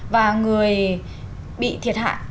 và người bị thiệt hại